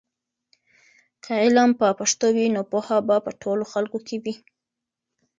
که علم په پښتو وي نو پوهه به په ټولو خلکو کې وي.